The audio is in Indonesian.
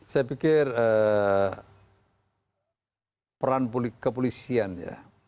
saya pikir peran kepolisian ya